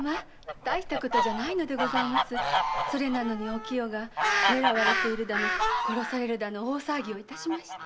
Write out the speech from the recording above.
大したことじゃありませんそれなのにお清が狙われているだの殺されるだの大騒ぎを致しまして。